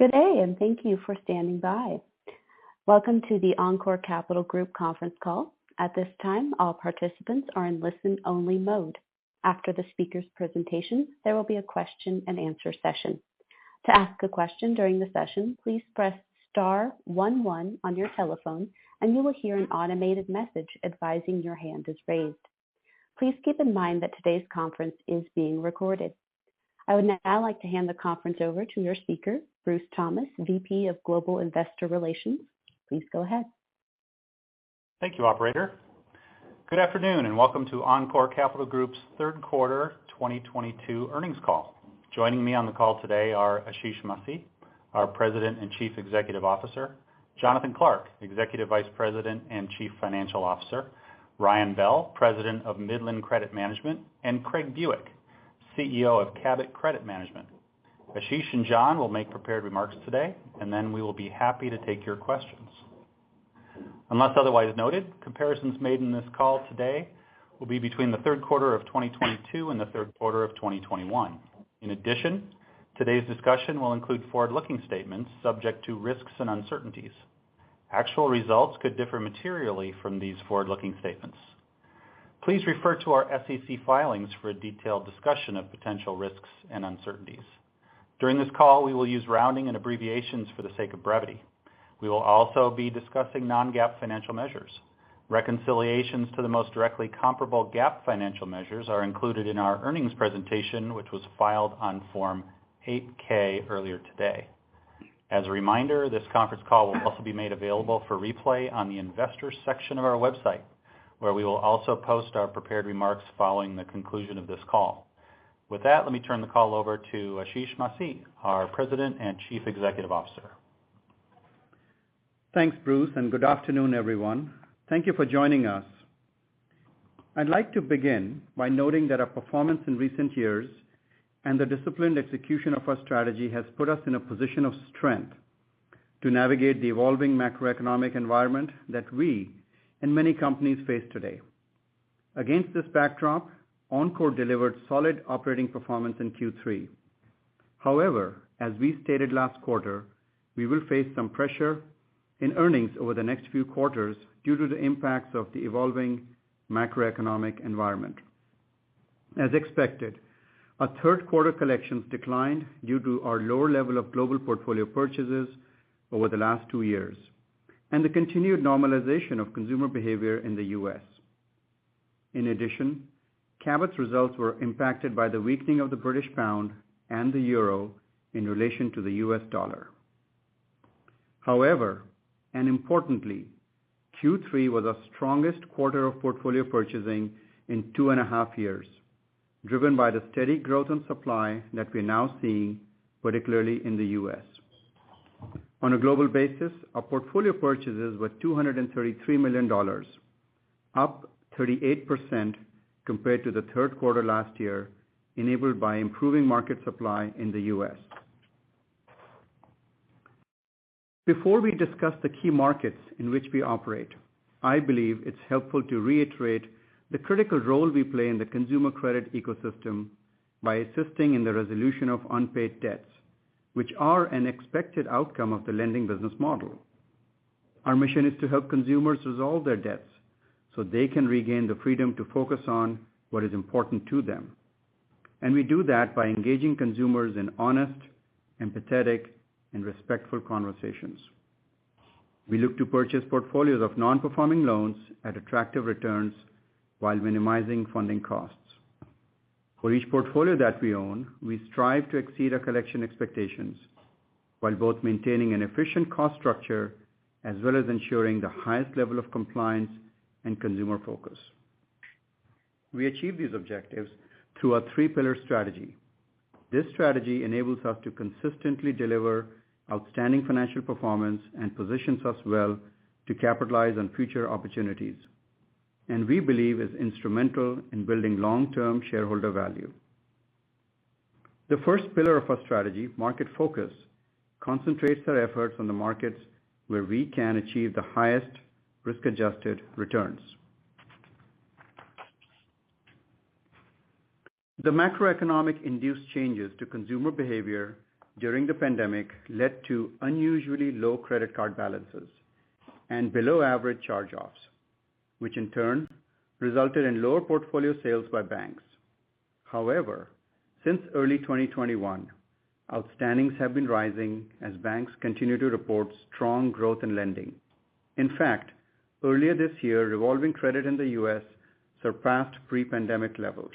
Good day, and thank you for standing by. Welcome to the Encore Capital Group Conference Call. At this time, all participants are in listen-only mode. After the speaker's presentation, there will be a question-and-answer session. To ask a question during the session, please press star one one on your telephone, and you will hear an automated message advising your hand is raised. Please keep in mind that today's conference is being recorded. I would now like to hand the conference over to your speaker, Bruce Thomas, VP of Global Investor Relations. Please go ahead. Thank you, operator. Good afternoon, and welcome to Encore Capital Group's Third Quarter 2022 Earnings Call. Joining me on the call today are Ashish Masih, our President and Chief Executive Officer, Jonathan Clark, Executive Vice President and Chief Financial Officer, Ryan Bell, President of Midland Credit Management, and Craig Buick, CEO of Cabot Credit Management. Ashish and John will make prepared remarks today, and then we will be happy to take your questions. Unless otherwise noted, comparisons made in this call today will be between the third quarter of 2022 and the third quarter of 2021. In addition, today's discussion will include forward-looking statements subject to risks and uncertainties. Actual results could differ materially from these forward-looking statements. Please refer to our SEC filings for a detailed discussion of potential risks and uncertainties. During this call, we will use rounding and abbreviations for the sake of brevity. We will also be discussing non-GAAP financial measures. Reconciliations to the most directly comparable GAAP financial measures are included in our earnings presentation, which was filed on Form 8-K earlier today. As a reminder, this conference call will also be made available for replay on the investors section of our website, where we will also post our prepared remarks following the conclusion of this call. With that, let me turn the call over to Ashish Masih, our President and Chief Executive Officer. Thanks, Bruce, and good afternoon, everyone. Thank you for joining us. I'd like to begin by noting that our performance in recent years and the disciplined execution of our strategy has put us in a position of strength to navigate the evolving macroeconomic environment that we and many companies face today. Against this backdrop, Encore delivered solid operating performance in Q3. However, as we stated last quarter, we will face some pressure in earnings over the next few quarters due to the impacts of the evolving macroeconomic environment. As expected, our third quarter collections declined due to our lower level of global portfolio purchases over the last two years and the continued normalization of consumer behavior in the U.S. In addition, Cabot's results were impacted by the weakening of the British pound and the euro in relation to the U.S. dollar. However, and importantly, Q3 was our strongest quarter of portfolio purchasing in two and a half years, driven by the steady growth in supply that we're now seeing, particularly in the U.S. On a global basis, our portfolio purchases were $233 million, up 38% compared to the third quarter last year, enabled by improving market supply in the U.S. Before we discuss the key markets in which we operate, I believe it's helpful to reiterate the critical role we play in the consumer credit ecosystem by assisting in the resolution of unpaid debts, which are an expected outcome of the lending business model. Our mission is to help consumers resolve their debts so they can regain the freedom to focus on what is important to them, and we do that by engaging consumers in honest, empathetic, and respectful conversations. We look to purchase portfolios of non-performing loans at attractive returns while minimizing funding costs. For each portfolio that we own, we strive to exceed our collection expectations while both maintaining an efficient cost structure as well as ensuring the highest level of compliance and consumer focus. We achieve these objectives through our three pillar strategy. This strategy enables us to consistently deliver outstanding financial performance and positions us well to capitalize on future opportunities, and we believe is instrumental in building long-term shareholder value. The first pillar of our strategy, market focus, concentrates our efforts on the markets where we can achieve the highest risk-adjusted returns. The macroeconomic induced changes to consumer behavior during the pandemic led to unusually low credit card balances and below average charge-offs, which in turn resulted in lower portfolio sales by banks. However, since early 2021, outstandings have been rising as banks continue to report strong growth in lending. In fact, earlier this year, revolving credit in the U.S. surpassed pre-pandemic levels,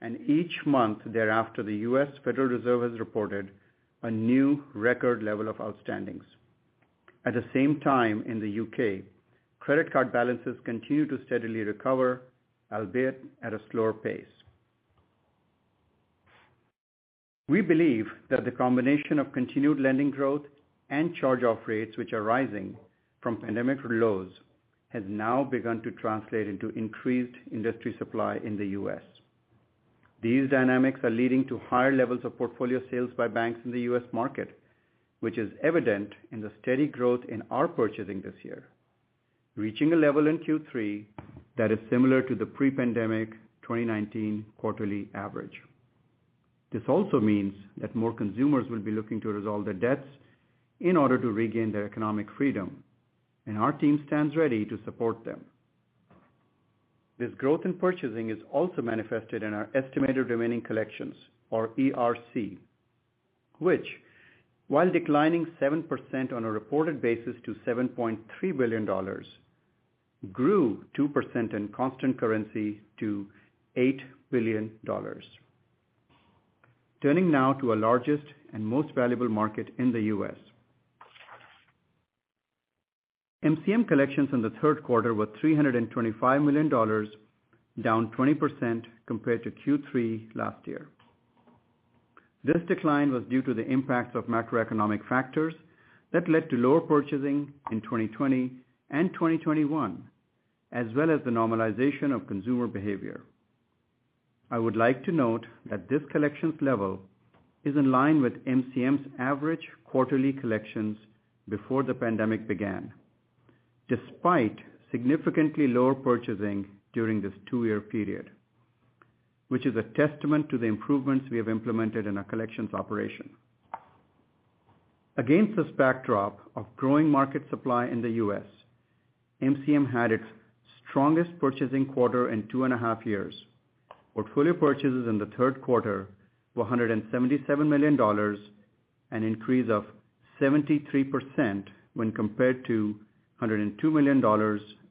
and each month thereafter, the U.S. Federal Reserve has reported a new record level of outstandings. At the same time, in the U.K., credit card balances continue to steadily recover, albeit at a slower pace. We believe that the combination of continued lending growth and charge-off rates which are rising from pandemic lows has now begun to translate into increased industry supply in the U.S. These dynamics are leading to higher levels of portfolio sales by banks in the U.S. market, which is evident in the steady growth in our purchasing this year, reaching a level in Q3 that is similar to the pre-pandemic 2019 quarterly average. This also means that more consumers will be looking to resolve their debts in order to regain their economic freedom, and our team stands ready to support them. This growth in purchasing is also manifested in our estimated remaining collections or ERC, which while declining 7% on a reported basis to $7.3 billion, grew 2% in constant currency to $8 billion. Turning now to our largest and most valuable market in the U.S. MCM collections in the third quarter were $325 million, down 20% compared to Q3 last year. This decline was due to the impacts of macroeconomic factors that led to lower purchasing in 2020 and 2021, as well as the normalization of consumer behavior. I would like to note that this collections level is in line with MCM's average quarterly collections before the pandemic began, despite significantly lower purchasing during this two-year period, which is a testament to the improvements we have implemented in our collections operation. Against this backdrop of growing market supply in the U.S., MCM had its strongest purchasing quarter in two and a half years. Portfolio purchases in the third quarter were $177 million, an increase of 73% when compared to $102 million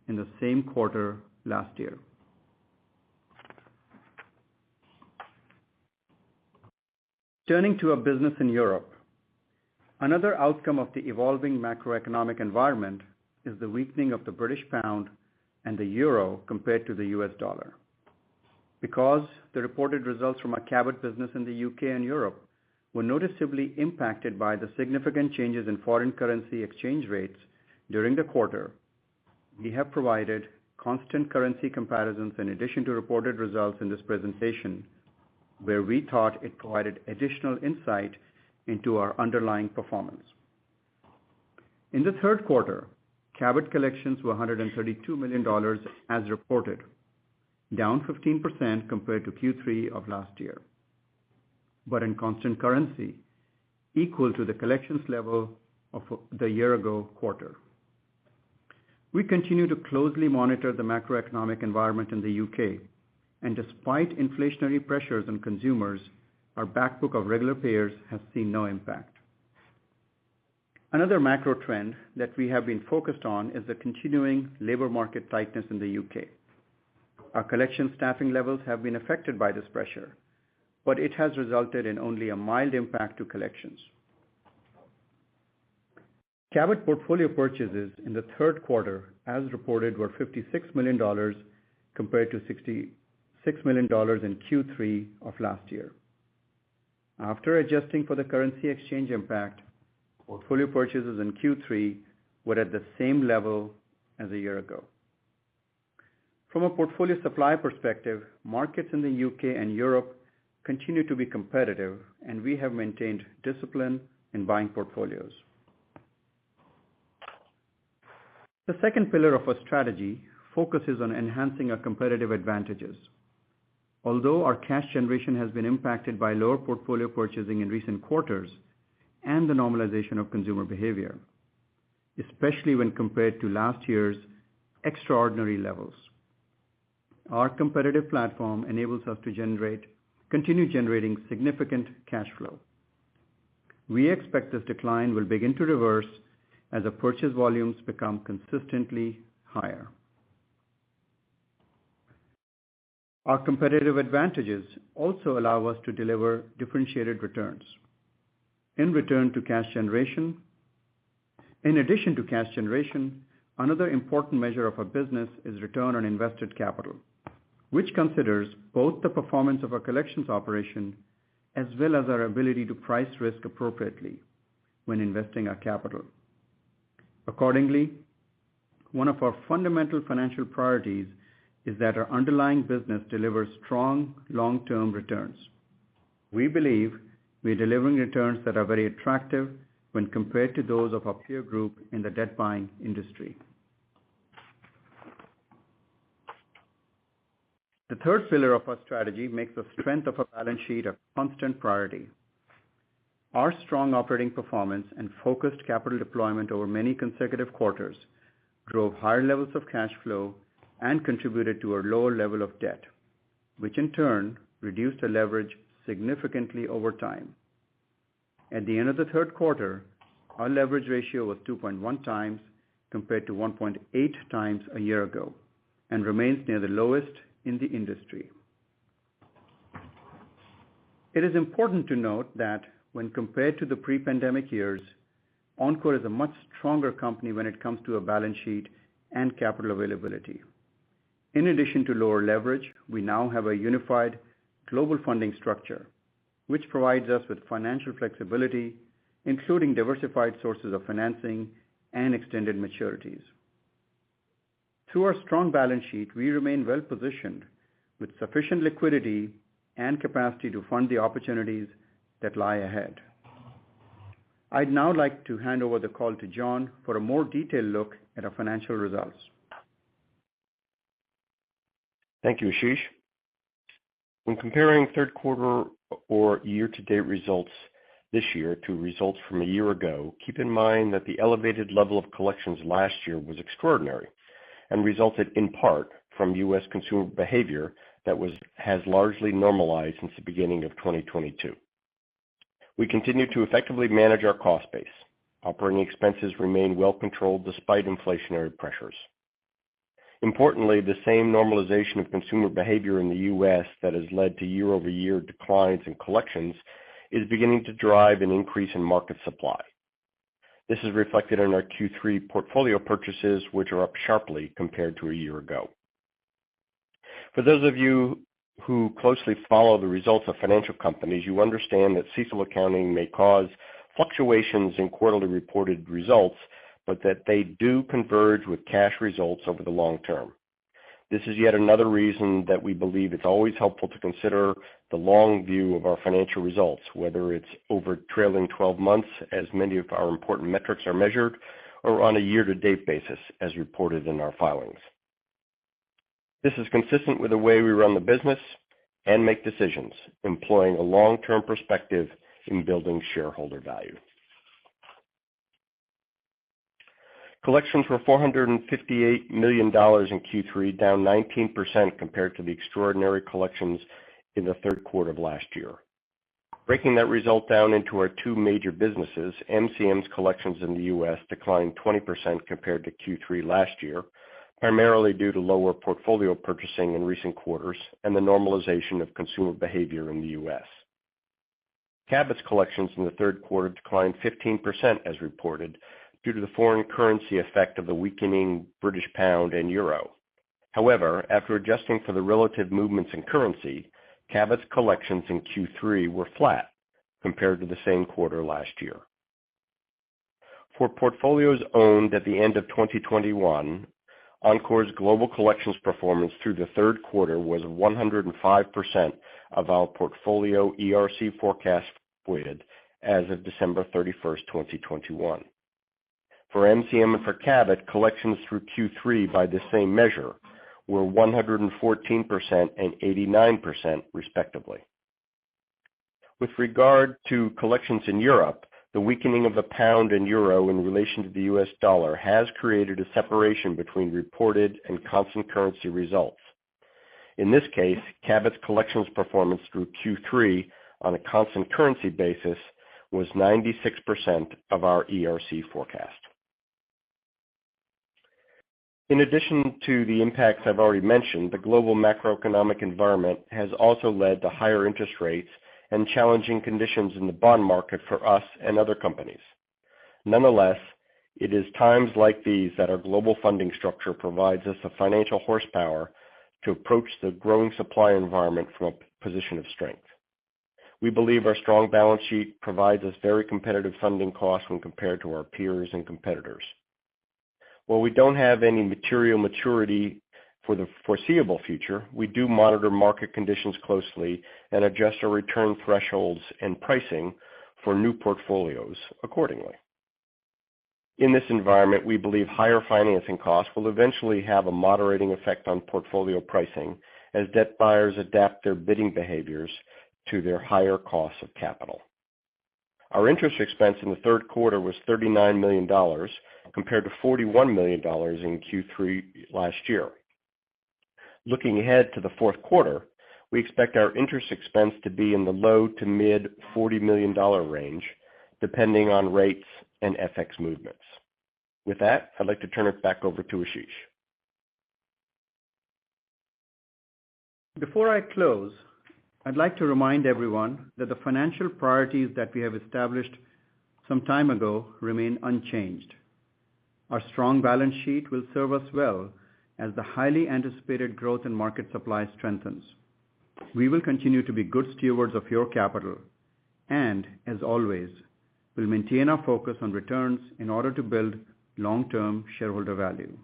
in the same quarter last year. Turning to our business in Europe. Another outcome of the evolving macroeconomic environment is the weakening of the British pound and the euro compared to the U.S. dollar. Because the reported results from our Cabot business in the U.K. and Europe were noticeably impacted by the significant changes in foreign currency exchange rates during the quarter, we have provided constant currency comparisons in addition to reported results in this presentation, where we thought it provided additional insight into our underlying performance. In the third quarter, Cabot collections were $132 million as reported, down 15% compared to Q3 of last year. In constant currency, equal to the collections level of the year-ago quarter. We continue to closely monitor the macroeconomic environment in the U.K. and despite inflationary pressures on consumers, our back book of regular payers has seen no impact. Another macro trend that we have been focused on is the continuing labor market tightness in the U.K. Our collection staffing levels have been affected by this pressure, but it has resulted in only a mild impact to collections. Cabot portfolio purchases in the third quarter, as reported, were $56 million compared to $66 million in Q3 of last year. After adjusting for the currency exchange impact, portfolio purchases in Q3 were at the same level as a year ago. From a portfolio supply perspective, markets in the U.K. and Europe continue to be competitive and we have maintained discipline in buying portfolios. The second pillar of our strategy focuses on enhancing our competitive advantages. Although our cash generation has been impacted by lower portfolio purchasing in recent quarters and the normalization of consumer behavior, especially when compared to last year's extraordinary levels, our competitive platform enables us to continue generating significant cash flow. We expect this decline will begin to reverse as the purchase volumes become consistently higher. Our competitive advantages also allow us to deliver differentiated returns. In addition to cash generation, another important measure of our business is return on invested capital, which considers both the performance of our collections operation as well as our ability to price risk appropriately when investing our capital. Accordingly, one of our fundamental financial priorities is that our underlying business delivers strong long-term returns. We believe we are delivering returns that are very attractive when compared to those of our peer group in the debt buying industry. The third pillar of our strategy makes the strength of our balance sheet a constant priority. Our strong operating performance and focused capital deployment over many consecutive quarters drove higher levels of cash flow and contributed to a lower level of debt, which in turn reduced the leverage significantly over time. At the end of the third quarter, our leverage ratio was 2.1x compared to 1.8x a year ago and remains near the lowest in the industry. It is important to note that when compared to the pre-pandemic years, Encore is a much stronger company when it comes to our balance sheet and capital availability. In addition to lower leverage, we now have a unified global funding structure, which provides us with financial flexibility, including diversified sources of financing and extended maturities. Through our strong balance sheet, we remain well positioned with sufficient liquidity and capacity to fund the opportunities that lie ahead. I'd now like to hand over the call to Jonathan for a more detailed look at our financial results. Thank you, Ashish. When comparing third quarter or year-to-date results this year to results from a year ago, keep in mind that the elevated level of collections last year was extraordinary and resulted in part from U.S. consumer behavior that has largely normalized since the beginning of 2022. We continue to effectively manage our cost base. Operating expenses remain well controlled despite inflationary pressures. Importantly, the same normalization of consumer behavior in the US that has led to year-over-year declines in collections is beginning to drive an increase in market supply. This is reflected in our Q3 portfolio purchases, which are up sharply compared to a year ago. For those of you who closely follow the results of financial companies, you understand that CECL accounting may cause fluctuations in quarterly reported results, but that they do converge with cash results over the long term. This is yet another reason that we believe it's always helpful to consider the long view of our financial results, whether it's over trailing 12 months, as many of our important metrics are measured, or on a year-to-date basis, as reported in our filings. This is consistent with the way we run the business and make decisions, employing a long-term perspective in building shareholder value. Collections were $458 million in Q3, down 19% compared to the extraordinary collections in the third quarter of last year. Breaking that result down into our two major businesses, MCM's collections in the U.S. declined 20% compared to Q3 last year, primarily due to lower portfolio purchasing in recent quarters and the normalization of consumer behavior in the U.S. Cabot's collections in the third quarter declined 15% as reported, due to the foreign currency effect of the weakening British pound and euro. However, after adjusting for the relative movements in currency, Cabot's collections in Q3 were flat compared to the same quarter last year. For portfolios owned at the end of 2021, Encore's global collections performance through the third quarter was 105% of our portfolio ERC forecast weighted as of December 31st, 2021. For MCM and for Cabot, collections through Q3 by the same measure were 114% and 89% respectively. With regard to collections in Europe, the weakening of the pound and euro in relation to the U.S. dollar has created a separation between reported and constant currency results. In this case, Cabot's collections performance through Q3 on a constant currency basis was 96% of our ERC forecast. In addition to the impacts I've already mentioned, the global macroeconomic environment has also led to higher interest rates and challenging conditions in the bond market for us and other companies. Nonetheless, it is times like these that our global funding structure provides us the financial horsepower to approach the growing supply environment from a position of strength. We believe our strong balance sheet provides us very competitive funding costs when compared to our peers and competitors. While we don't have any material maturity for the foreseeable future, we do monitor market conditions closely and adjust our return thresholds and pricing for new portfolios accordingly. In this environment, we believe higher financing costs will eventually have a moderating effect on portfolio pricing as debt buyers adapt their bidding behaviors to their higher costs of capital. Our interest expense in the third quarter was $39 million, compared to $41 million in Q3 last year. Looking ahead to the fourth quarter, we expect our interest expense to be in the low to mid $40 million range, depending on rates and FX movements. With that, I'd like to turn it back over to Ashish. Before I close, I'd like to remind everyone that the financial priorities that we have established some time ago remain unchanged. Our strong balance sheet will serve us well as the highly anticipated growth in market supply strengthens. We will continue to be good stewards of your capital and, as always, we'll maintain our focus on returns in order to build long-term shareholder value.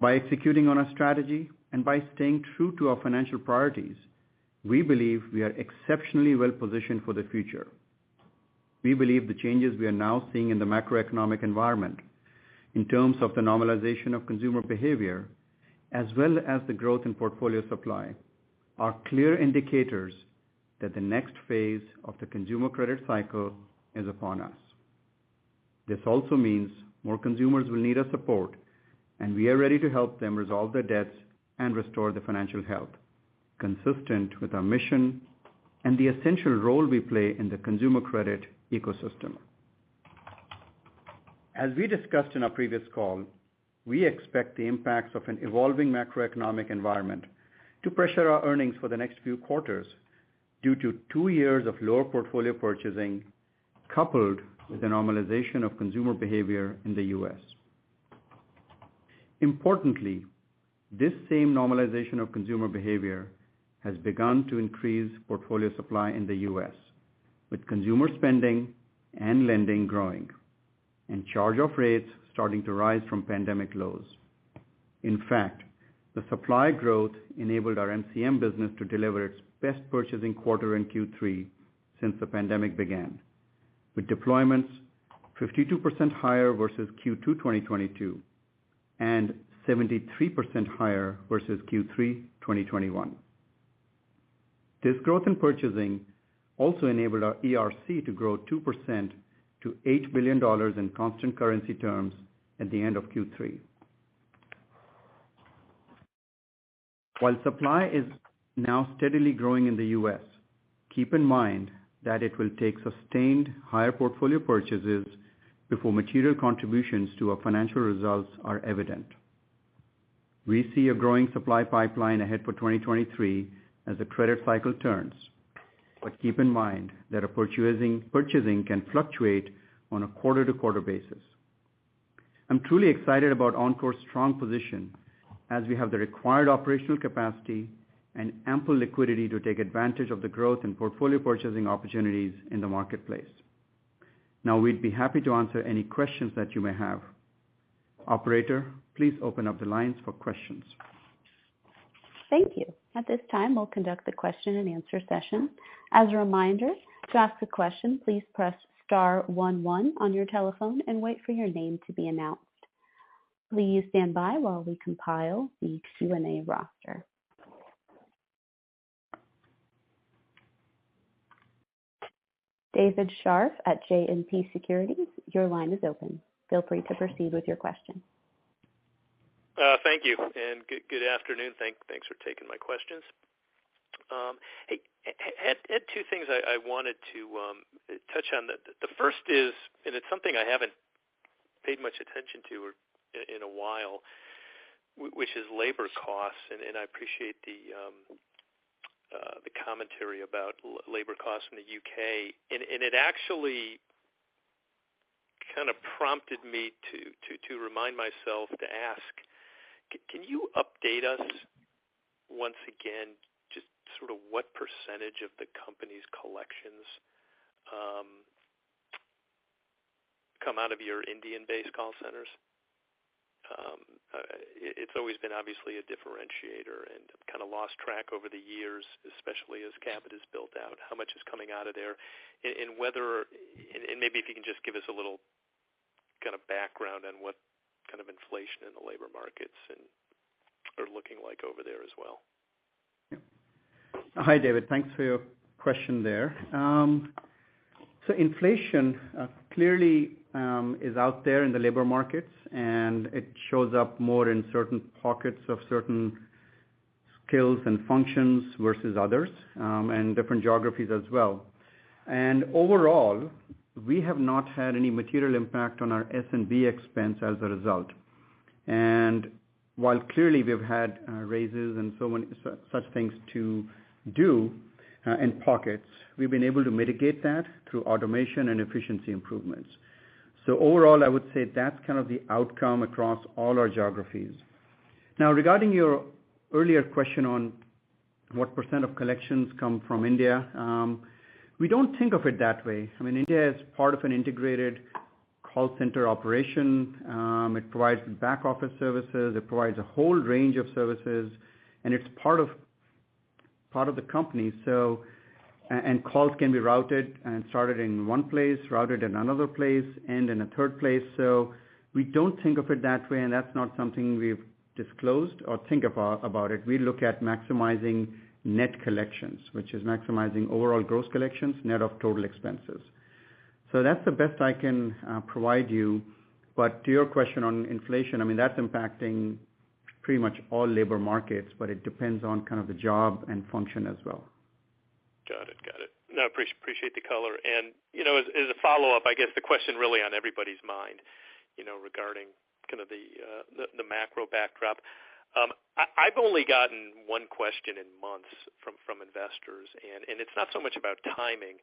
By executing on our strategy and by staying true to our financial priorities, we believe we are exceptionally well positioned for the future. We believe the changes we are now seeing in the macroeconomic environment in terms of the normalization of consumer behavior, as well as the growth in portfolio supply, are clear indicators that the next phase of the consumer credit cycle is upon us. This also means more consumers will need our support, and we are ready to help them resolve their debts and restore their financial health, consistent with our mission and the essential role we play in the consumer credit ecosystem. As we discussed in our previous call, we expect the impacts of an evolving macroeconomic environment to pressure our earnings for the next few quarters due to two years of lower portfolio purchasing, coupled with the normalization of consumer behavior in the U.S. Importantly, this same normalization of consumer behavior has begun to increase portfolio supply in the U.S. with consumer spending and lending growing and charge-off rates starting to rise from pandemic lows. In fact, the supply growth enabled our MCM business to deliver its best purchasing quarter in Q3 since the pandemic began, with deployments 52% higher versus Q2 2022 and 73% higher versus Q3 2021. This growth in purchasing also enabled our ERC to grow 2% to $8 billion in constant currency terms at the end of Q3. While supply is now steadily growing in the U.S., keep in mind that it will take sustained higher portfolio purchases before material contributions to our financial results are evident. We see a growing supply pipeline ahead for 2023 as the credit cycle turns. Keep in mind that our purchasing can fluctuate on a quarter-to-quarter basis. I'm truly excited about Encore's strong position as we have the required operational capacity and ample liquidity to take advantage of the growth in portfolio purchasing opportunities in the marketplace. Now, we'd be happy to answer any questions that you may have. Operator, please open up the lines for questions. Thank you. At this time, we'll conduct the question-and-answer session. As a reminder, to ask a question, please press star one one on your telephone and wait for your name to be announced. Please stand by while we compile the Q&A roster. David Scharf at JMP Securities, your line is open. Feel free to proceed with your question. Thank you, and good afternoon. Thanks for taking my questions. Had two things I wanted to touch on. The first is, and it's something I haven't paid much attention to or in a while, which is labor costs. I appreciate the commentary about labor costs in the U.K. It actually kind of prompted me to remind myself to ask, can you update us once again, just sort of what percentage of the company's collections come out of your Indian-based call centers? It's always been obviously a differentiator, and I've kind of lost track over the years, especially as Cabot has built out, how much is coming out of there and whether Maybe if you can just give us a little kind of background on what kind of inflation in the labor markets is looking like over there as well. Hi, David. Thanks for your question there. Inflation clearly is out there in the labor markets, and it shows up more in certain pockets of certain skills and functions versus others, and different geographies as well. Overall, we have not had any material impact on our SG&A expense as a result. While clearly we've had raises and so on, such things to do in pockets, we've been able to mitigate that through automation and efficiency improvements. Overall, I would say that's kind of the outcome across all our geographies. Now regarding your earlier question on what percent of collections come from India, we don't think of it that way. I mean, India is part of an integrated call center operation. It provides back-office services. It provides a whole range of services, and it's part of the company. Calls can be routed and started in one place, routed in another place, end in a third place. We don't think of it that way, and that's not something we've disclosed or think about it. We look at maximizing net collections, which is maximizing overall gross collections, net of total expenses. That's the best I can provide you. To your question on inflation, I mean, that's impacting pretty much all labor markets, but it depends on kind of the job and function as well. Got it. No, appreciate the color. You know, as a follow-up, I guess the question really on everybody's mind, you know, regarding kind of the macro backdrop. I've only gotten one question in months from investors and it's not so much about timing,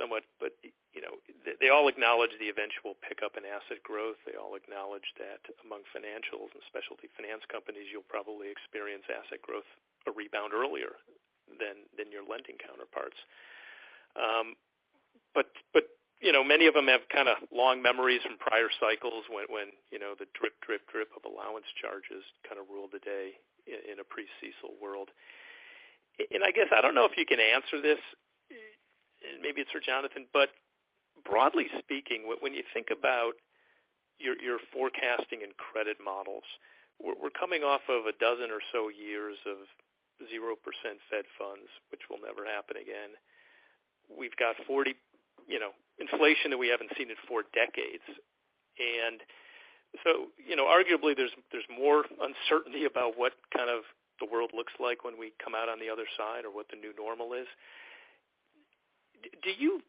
somewhat, but you know, they all acknowledge the eventual pickup in asset growth. They all acknowledge that among financials and specialty finance companies, you'll probably experience asset growth, a rebound earlier than your lending counterparts. You know, many of them have kinda long memories from prior cycles when you know, the drip, drip of allowance charges kind of ruled the day in a pre-CECL world. I guess, I don't know if you can answer this, maybe it's for Jonathan. Broadly speaking, when you think about your forecasting and credit models, we're coming off of a dozen or so years of 0% fed funds, which will never happen again. We've got 40% inflation that we haven't seen in four decades. So, you know, arguably, there's more uncertainty about what kind of the world looks like when we come out on the other side or what the new normal is. Do you,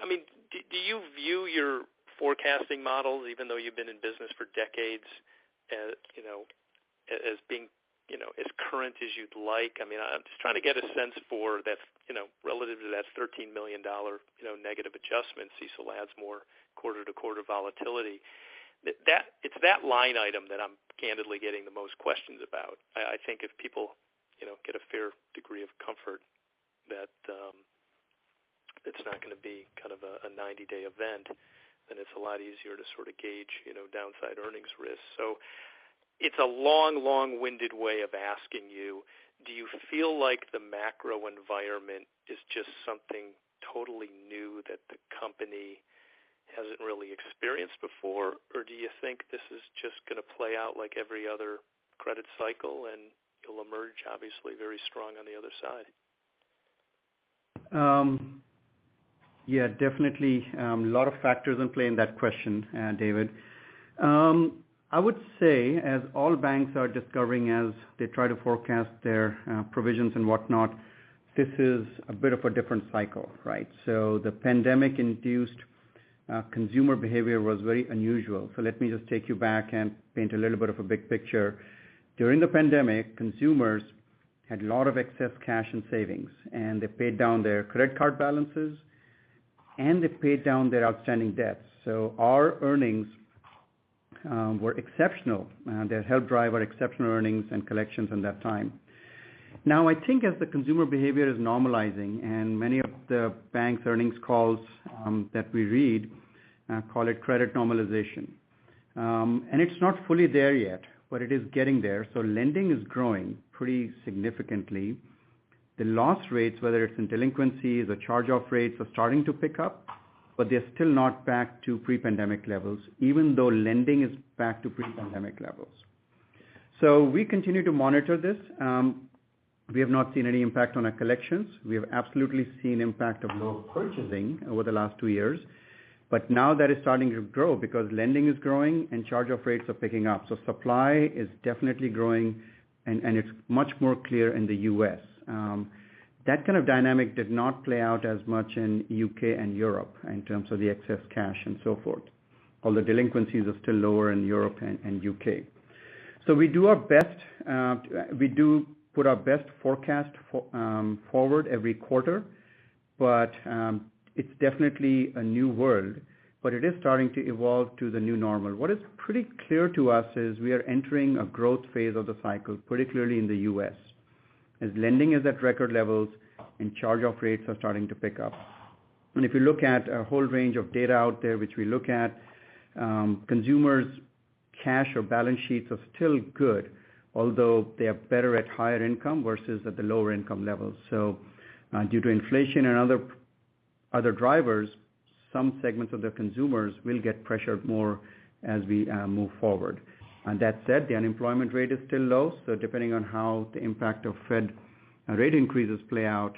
I mean, do you view your forecasting models, even though you've been in business for decades, you know, as being, you know, as current as you'd like? I mean, I'm just trying to get a sense for that, you know, relative to that $13 million negative adjustment. CECL adds more quarter-to-quarter volatility. That's the line item that I'm candidly getting the most questions about. I think if people, you know, get a fair degree of comfort that, It's not gonna be kind of a 90-day event, then it's a lot easier to sort of gauge, you know, downside earnings risks. It's a long-winded way of asking you, do you feel like the macro environment is just something totally new that the company hasn't really experienced before? Or do you think this is just gonna play out like every other credit cycle and you'll emerge obviously very strong on the other side? Yeah, definitely, a lot of factors in play in that question, David. I would say, as all banks are discovering as they try to forecast their provisions and whatnot, this is a bit of a different cycle, right? The pandemic-induced consumer behavior was very unusual. Let me just take you back and paint a little bit of a big picture. During the pandemic, consumers had a lot of excess cash and savings, and they paid down their credit card balances, and they paid down their outstanding debts. Our earnings were exceptional. They helped drive our exceptional earnings and collections in that time. Now, I think as the consumer behavior is normalizing, and many of the bank's earnings calls that we read call it credit normalization. It's not fully there yet, but it is getting there. Lending is growing pretty significantly. The loss rates, whether it's in delinquencies or charge-off rates, are starting to pick up, but they're still not back to pre-pandemic levels, even though lending is back to pre-pandemic levels. We continue to monitor this. We have not seen any impact on our collections. We have absolutely seen impact of low purchasing over the last two years. Now that is starting to grow because lending is growing and charge-off rates are picking up. Supply is definitely growing and it's much more clear in the U.S. That kind of dynamic did not play out as much in U.K. and Europe in terms of the excess cash and so forth. All the delinquencies are still lower in Europe and U.K. We do our best, we do put our best forecast for forward every quarter, but it's definitely a new world, but it is starting to evolve to the new normal. What is pretty clear to us is we are entering a growth phase of the cycle, particularly in the U.S., as lending is at record levels and charge-off rates are starting to pick up. If you look at a whole range of data out there, which we look at, consumers' cash or balance sheets are still good, although they are better at higher income versus at the lower income levels. Due to inflation and other drivers, some segments of the consumers will get pressured more as we move forward. That said, the unemployment rate is still low, so depending on how the impact of Fed rate increases play out,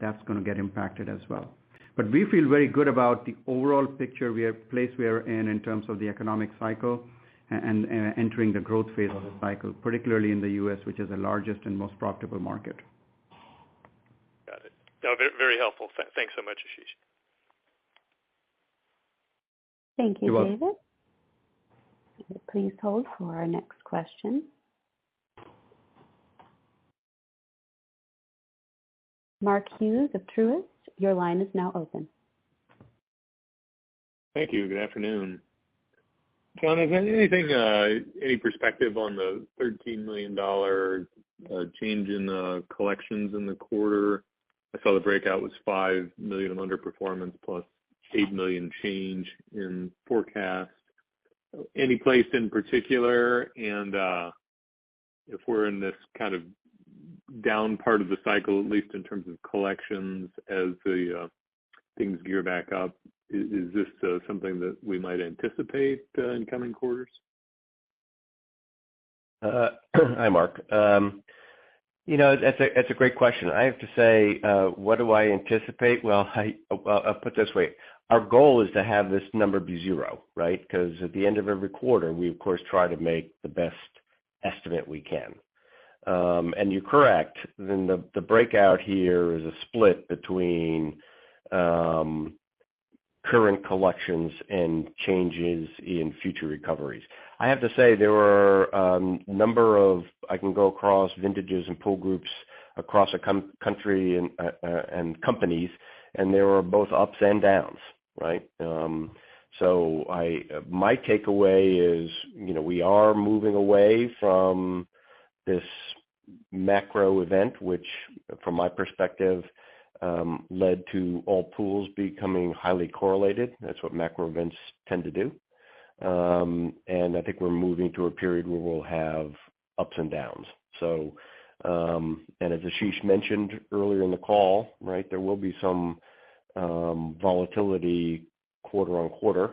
that's gonna get impacted as well. We feel very good about the overall picture we are in terms of the economic cycle and, entering the growth phase of the cycle, particularly in the U.S., which is the largest and most profitable market. Got it. No, very helpful. Thanks so much, Ashish. Thank you, David. You're welcome. Please hold for our next question. Mark Hughes of Truist, your line is now open. Thank you. Good afternoon. Jonathan, is there anything, any perspective on the $13 million change in collections in the quarter? I saw the breakout was $5 million underperformance plus $8 million change in forecast. Any place in particular? If we're in this kind of down part of the cycle, at least in terms of collections as the things gear back up, is this something that we might anticipate in coming quarters? Hi, Mark. You know, that's a great question. I have to say, what do I anticipate? Well, I'll put it this way. Our goal is to have this number be zero, right? 'Cause at the end of every quarter, we of course try to make the best estimate we can. You're correct. The breakout here is a split between current collections and changes in future recoveries. I have to say there were a number of. I can go across vintages and pool groups across a country and companies, and there were both ups and downs, right? My takeaway is, you know, we are moving away from this macro event, which from my perspective led to all pools becoming highly correlated. That's what macro events tend to do. I think we're moving to a period where we'll have ups and downs. As Ashish mentioned earlier in the call, right, there will be some volatility quarter-on-quarter.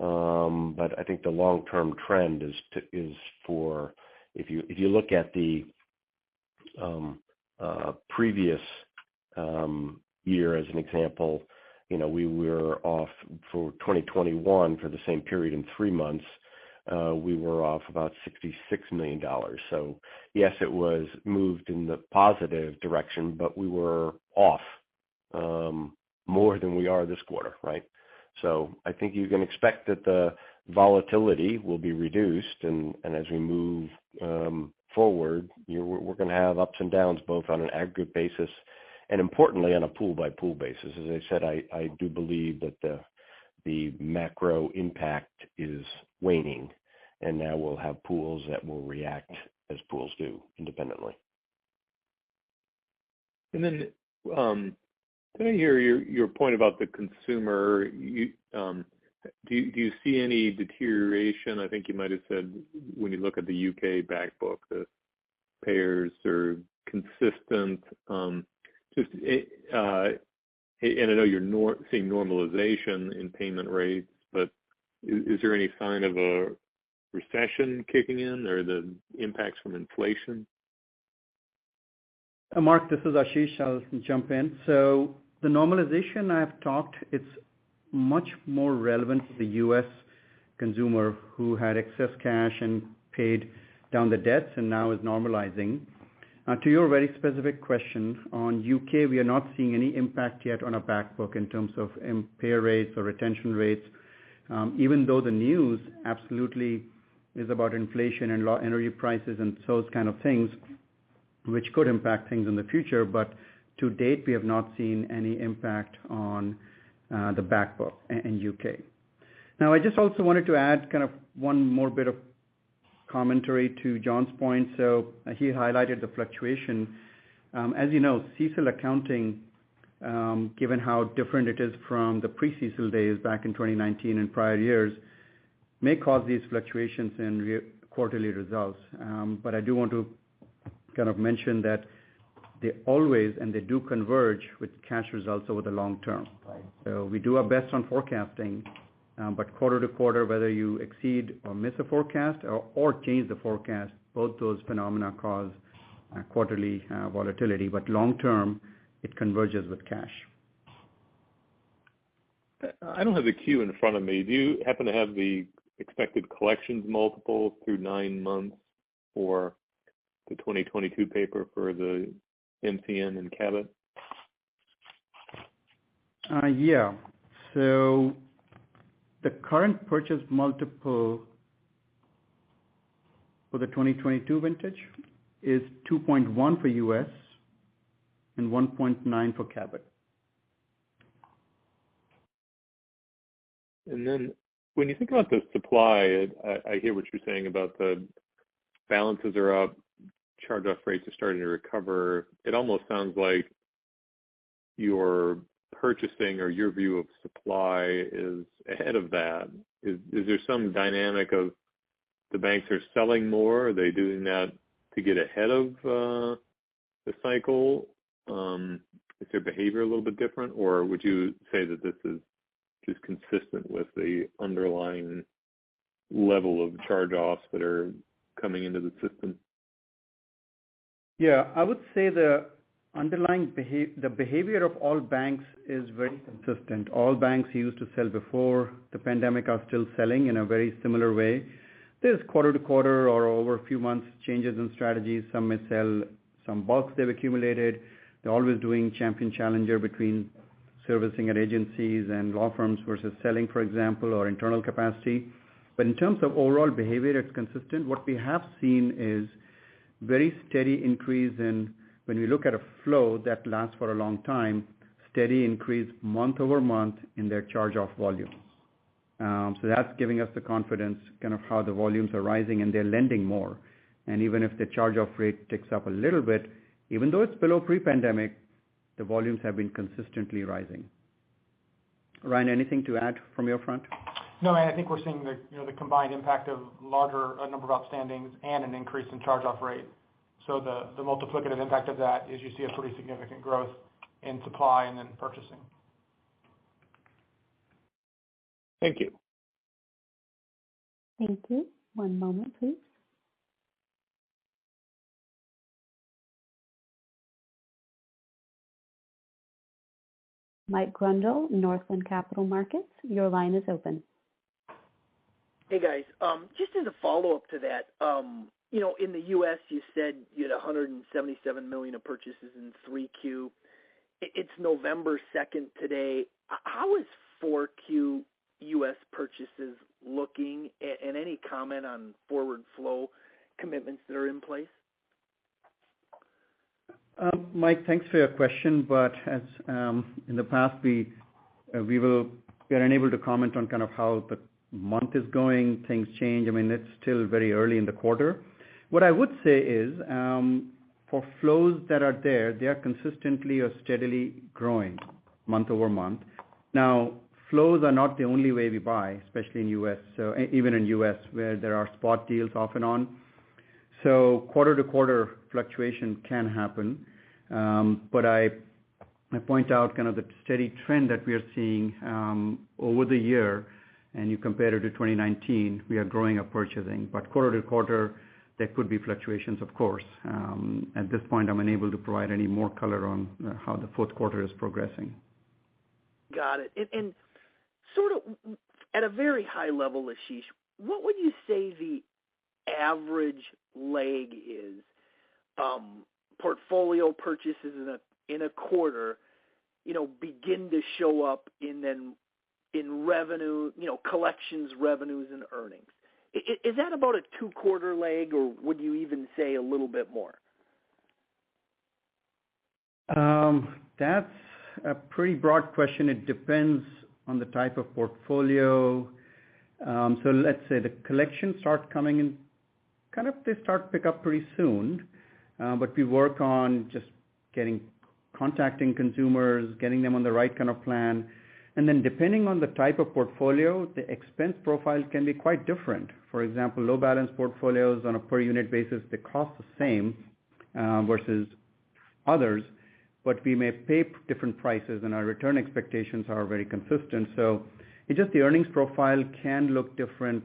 I think the long-term trend is for if you look at the previous year as an example, you know, we were off for 2021 for the same period in three months, we were off about $66 million. Yes, it was moved in the positive direction, but we were off more than we are this quarter, right? I think you can expect that the volatility will be reduced and as we move forward, we're gonna have ups and downs both on an aggregate basis and importantly on a pool-by-pool basis. As I said, I do believe that the macro impact is waning and now we'll have pools that will react as pools do independently. Can I hear your point about the consumer? Do you see any deterioration? I think you might have said when you look at the U.K. back book that payers are consistent. Just, I know you're not seeing normalization in payment rates, but is there any sign of a recession kicking in or the impacts from inflation? Mark, this is Ashish. I'll just jump in. The normalization I've talked, it's much more relevant to the U.S. consumer who had excess cash and paid down the debts and now is normalizing. Now to your very specific question on U.K., we are not seeing any impact yet on our back book in terms of impair rates or retention rates. Even though the news absolutely is about inflation and low energy prices and those kind of things which could impact things in the future. To date, we have not seen any impact on the back book in U.K. Now, I just also wanted to add kind of one more bit of commentary to John's point. He highlighted the fluctuation. As you know, CECL accounting, given how different it is from the pre-CECL days back in 2019 and prior years, may cause these fluctuations in quarterly results. I do want to kind of mention that they always do converge with cash results over the long term. We do our best on forecasting, but quarter to quarter, whether you exceed or miss a forecast or change the forecast, both those phenomena cause quarterly volatility. Long term, it converges with cash. I don't have the queue in front of me. Do you happen to have the expected collections multiple through nine months for the 2022 paper for the MCM and Cabot? The current purchase multiple for the 2022 vintage is 2.1 for U.S. and 1.9 for Cabot. When you think about the supply, I hear what you're saying about the balances are up, charge-off rates are starting to recover. It almost sounds like your purchasing or your view of supply is ahead of that. Is there some dynamic of the banks are selling more? Are they doing that to get ahead of the cycle? Is their behavior a little bit different? Or would you say that this is just consistent with the underlying level of charge-offs that are coming into the system? Yeah. I would say the behavior of all banks is very consistent. All banks who used to sell before the pandemic are still selling in a very similar way. There's quarter-to-quarter or over a few months changes in strategies. Some may sell some bulks they've accumulated. They're always doing champion challenger between servicing at agencies and law firms versus selling, for example, or internal capacity. But in terms of overall behavior, it's consistent. What we have seen is very steady increase in when we look at a flow that lasts for a long time, steady increase month-over-month in their charge-off volume. So that's giving us the confidence kind of how the volumes are rising and they're lending more. Even if the charge-off rate ticks up a little bit, even though it's below pre-pandemic, the volumes have been consistently rising. Ryan, anything to add from your front? No, I think we're seeing the, you know, the combined impact of larger number of outstandings and an increase in charge-off rate. The multiplicative impact of that is you see a pretty significant growth in supply and then purchasing. Thank you. Thank you. One moment, please. Mike Grondahl, Northland Capital Markets, your line is open. Hey, guys. Just as a follow-up to that, you know, in the U.S. you said you had $177 million of purchases in 3Q. It's November 2nd today. How is 4Q U.S. purchases looking? And any comment on forward flow commitments that are in place? Mike, thanks for your question, but as in the past, we are unable to comment on kind of how the month is going. Things change. I mean, it's still very early in the quarter. What I would say is, for flows that are there, they are consistently or steadily growing month-over-month. Now, flows are not the only way we buy, especially in U.S. Even in U.S. where there are spot deals off and on, quarter-to-quarter fluctuation can happen. I point out kind of the steady trend that we are seeing over the year, and you compare it to 2019, we are growing our purchasing. Quarter-to-quarter, there could be fluctuations, of course. At this point, I'm unable to provide any more color on how the fourth quarter is progressing. Got it. Sort of at a very high level, Ashish, what would you say the average lag is, portfolio purchases in a quarter, you know, begin to show up in then in revenue, you know, collections, revenues and earnings? Is that about a two-quarter lag or would you even say a little bit more? That's a pretty broad question. It depends on the type of portfolio. Let's say the collections start coming in. Kind of they start pick up pretty soon, but we work on just getting, contacting consumers, getting them on the right kind of plan. Depending on the type of portfolio, the expense profile can be quite different. For example, low balance portfolios on a per unit basis, they cost the same versus others, but we may pay different prices, and our return expectations are very consistent. It's just the earnings profile can look different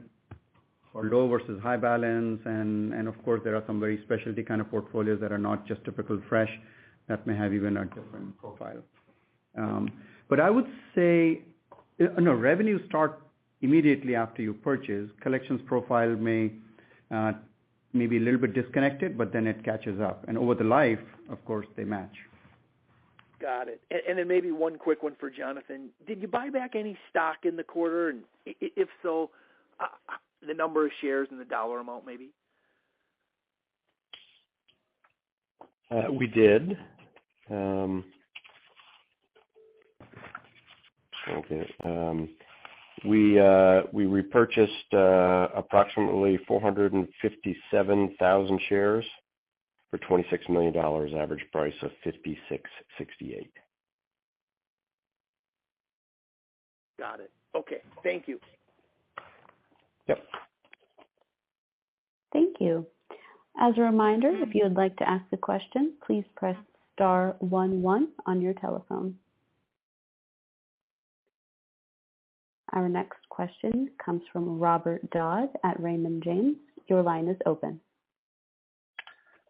for low versus high balance. Of course, there are some very specialty kind of portfolios that are not just typical fresh that may have even a different profile. I would say no, revenue starts immediately after you purchase. Collections profile may be a little bit disconnected, but then it catches up. Over the life, of course, they match. Got it. Maybe one quick one for Jonathan. Did you buy back any stock in the quarter? If so, the number of shares and the dollar amount, maybe. We did. We repurchased approximately 457,000 shares for $26 million, average price of $56.68. Got it. Okay. Thank you. Yep. Thank you. As a reminder, if you would like to ask a question, please press star one one on your telephone. Our next question comes from Robert Dodd at Raymond James. Your line is open.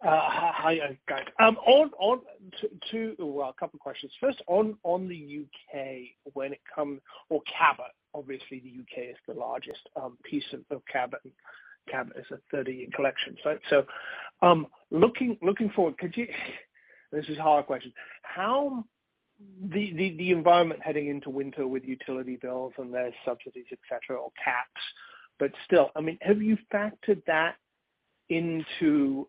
Hi, guys. Well, a couple of questions. First, on the U.K., when it comes to Cabot, obviously the UK is the largest piece of Cabot. Cabot is a leader in collections. Looking forward, could you? This is a hard question. How's the environment heading into winter with utility bills and their subsidies, et cetera, or caps. Still, I mean, have you factored that into,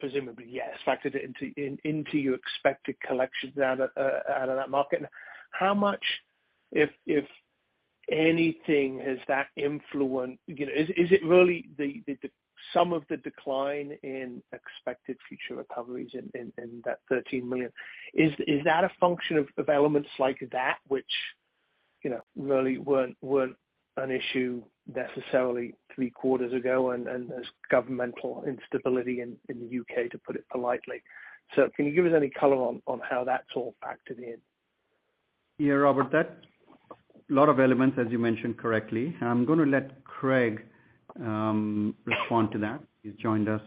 presumably yes, factored it into your expected collections out of that market? How much, if anything, has that influence, you know? Is it really the sum of the decline in expected future recoveries in that $13 million? Is that a function of elements like that, which, you know, really weren't an issue necessarily three quarters ago, and there's governmental instability in the U.K., to put it politely. Can you give us any color on how that's all factored in? Yeah, Robert, that's a lot of elements, as you mentioned correctly. I'm gonna let Craig respond to that. He's joined us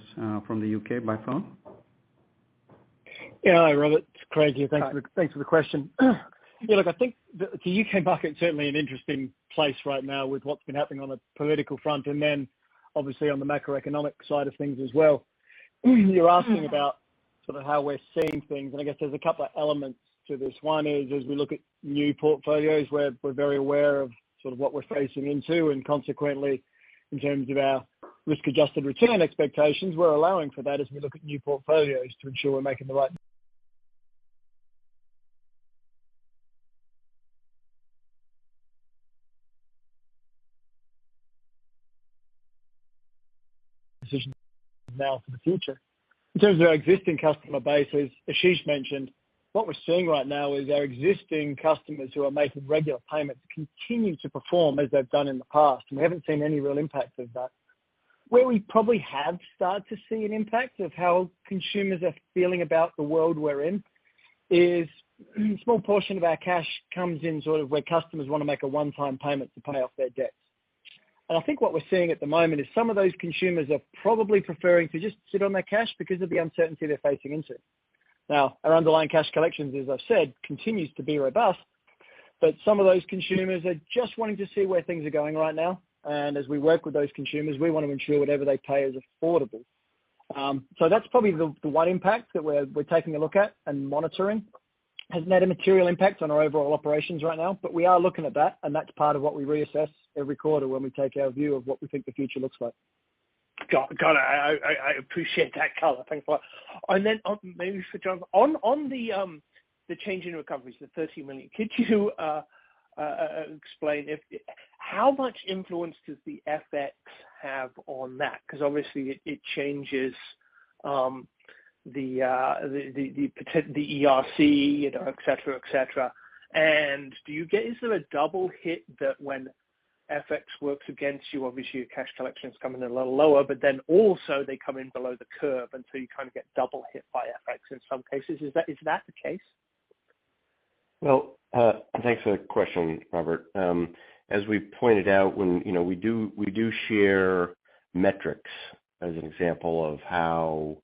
from the U.K. by phone. Yeah. Hi, Robert. It's Craig here. Thanks for the question. Yeah, look, I think the U.K. market is certainly an interesting place right now with what's been happening on the political front and then obviously on the macroeconomic side of things as well. You're asking about sort of how we're seeing things, and I guess there's a couple of elements to this. One is, as we look at new portfolios, we're very aware of sort of what we're facing into and consequently in terms of our risk-adjusted return expectations. We're allowing for that as we look at new portfolios to ensure we're making the right decisions now for the future. In terms of our existing customer base, as Ashish mentioned, what we're seeing right now is our existing customers who are making regular payments continue to perform as they've done in the past. We haven't seen any real impact of that. Where we probably have started to see an impact of how consumers are feeling about the world we're in is a small portion of our cash comes in sort of where customers want to make a one-time payment to pay off their debts. I think what we're seeing at the moment is some of those consumers are probably preferring to just sit on their cash because of the uncertainty they're facing into. Now, our underlying cash collections, as I've said, continues to be robust. Some of those consumers are just wanting to see where things are going right now. As we work with those consumers, we want to ensure whatever they pay is affordable. That's probably the one impact that we're taking a look at and monitoring. Hasn't had a material impact on our overall operations right now, but we are looking at that, and that's part of what we reassess every quarter when we take our view of what we think the future looks like. Got it. I appreciate that color. Thanks a lot. Maybe for John. On the change in recoveries, the $30 million, could you explain if how much influence does the FX have on that? 'Cause obviously it changes the ERC, you know, et cetera, et cetera. Is there a double hit that when FX works against you, obviously your cash collections come in a little lower, but then also they come in below the curve, and so you kind of get double hit by FX in some cases. Is that the case? Well, thanks for the question, Robert. As we pointed out, when you know, we do share metrics as an example of how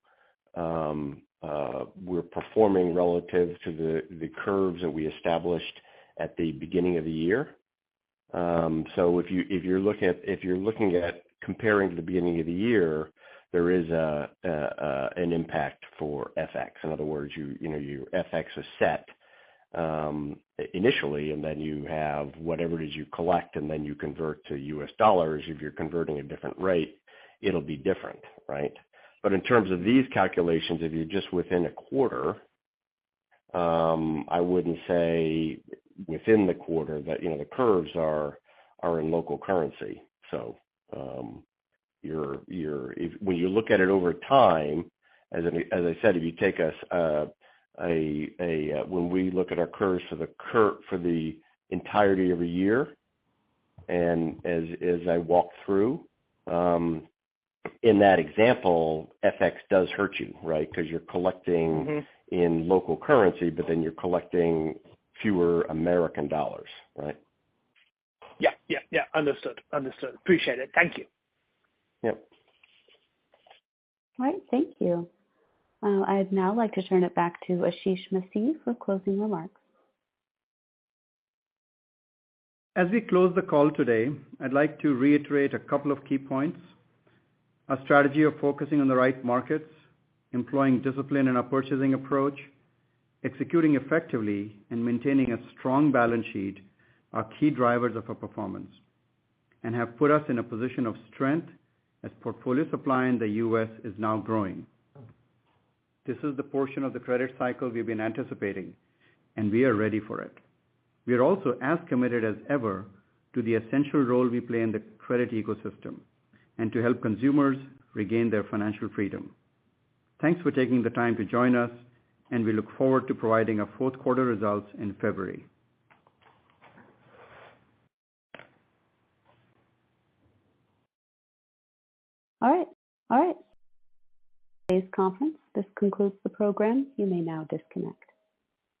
we're performing relative to the curves that we established at the beginning of the year. If you're looking at comparing the beginning of the year, there is an impact for FX. In other words, you know, your FX is set initially, and then you have whatever it is you collect, and then you convert to U.S. Dollars. If you're converting a different rate, it'll be different, right? In terms of these calculations, if you're just within a quarter, I wouldn't say within the quarter that you know, the curves are in local currency. When you look at it over time, as I said, when we look at our curves for the entirety of a year, as I walk through in that example, FX does hurt you, right? 'Cause you're collecting- Mm-hmm. in local currency, but then you're collecting fewer American dollars, right? Yeah. Understood. Appreciate it. Thank you. Yep. All right. Thank you. I'd now like to turn it back to Ashish Masih for closing remarks. As we close the call today, I'd like to reiterate a couple of key points. Our strategy of focusing on the right markets, employing discipline in our purchasing approach, executing effectively, and maintaining a strong balance sheet are key drivers of our performance and have put us in a position of strength as portfolio supply in the U.S. is now growing. This is the portion of the credit cycle we've been anticipating, and we are ready for it. We are also as committed as ever to the essential role we play in the credit ecosystem, and to help consumers regain their financial freedom. Thanks for taking the time to join us, and we look forward to providing our fourth quarter results in February. All right. Today's conference, this concludes the program. You may now disconnect.